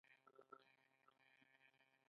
خو زخم لا ژورېږي.